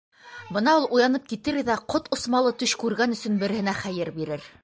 Бына ул уянып китер ҙә ҡот осмалы төш күргән өсөн береһенә хәйер бирер...